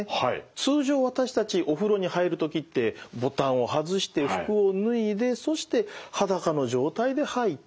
通常私たちお風呂に入る時ってボタンを外して服を脱いでそして裸の状態で入って。